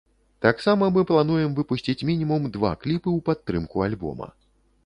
Таксама мы плануем выпусціць мінімум два кліпы ў падтрымку альбома.